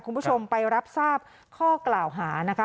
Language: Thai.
คุณผู้ชมไปรับทราบข้อกล่าวหานะคะ